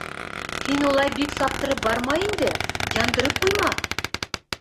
— Һин улай бик саптырып барма инде, яндырып ҡуйма...